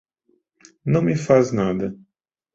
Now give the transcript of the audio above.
Não me faz nada